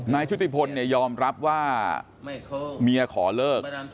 นายชุธิพลยอมรับว่าเมียขอเลิก